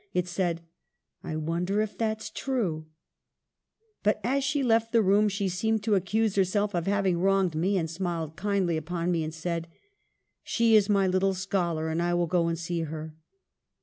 It said, ' I wonder if that's true ?' But, as she left the room, she seemed to accuse herself of having wronged me, and smiled kindly upon me and said, ' She is my little scholar, and I will go and see her.'